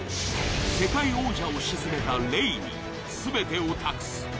世界王者を沈めたＲｅｙにすべてを託す。